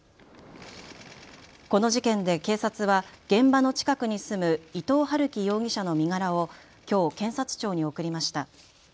この事件で警察は現場の近くに住む伊藤龍稀容疑者の身柄をきょう検察庁に送りました。